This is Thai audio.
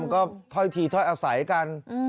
ก็ถ้อยทีถ้อยอาศัยกัน